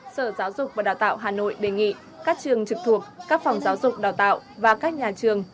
sở giáo dục và đào tạo hà nội đề nghị các trường trực thuộc các phòng giáo dục đào tạo và các nhà trường